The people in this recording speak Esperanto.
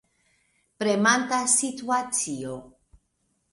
Premanta situacio.